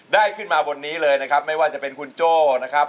ได้ขึ้นมาบนนี้เลยนะครับไม่ว่าจะเป็นคุณโจ้นะครับ